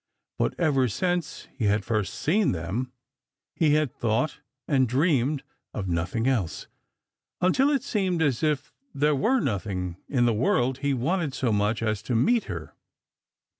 But ever since he had first seen them, he had thought and dreamed of nothing else, until it seemed as if there were nothing in the world he wanted so much as to meet her.